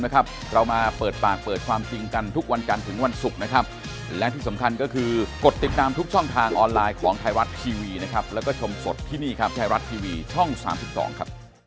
กรกตควรต้องฟังนะฮะ